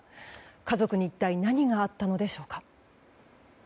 家族に一体何があったのでしょうか。